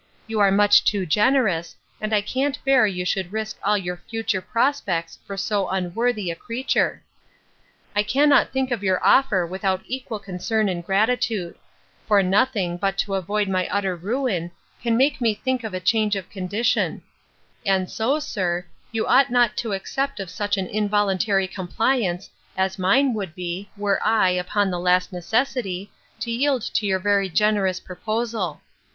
You are much too generous, and I can't bear you should risk all your future prospects for so unworthy a creature. I cannot think of your offer without equal concern and gratitude: for nothing, but to avoid my utter ruin, can make me think of a change of condition; and so, sir, you ought not to accept of such an involuntary compliance, as mine would be, were I, upon the last necessity, to yield to your very generous proposal.